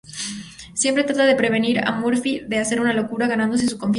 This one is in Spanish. Siempre trata de prevenir a Murphy de hacer una locura, ganándose su desconfianza.